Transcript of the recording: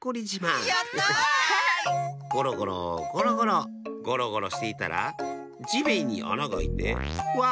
ゴロゴロゴロゴロゴロゴロしていたらじめんにあながあいてわ！